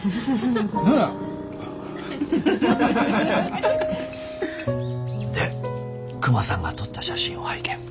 ねえ？でクマさんが撮った写真を拝見。